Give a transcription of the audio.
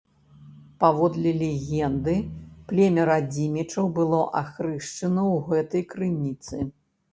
Паводле легенды племя радзімічаў было ахрышчана ў гэтай крыніцы.